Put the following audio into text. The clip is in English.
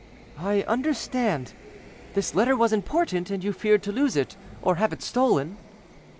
"I understand. This letter was important, and you feared to lose it, or have it stolen."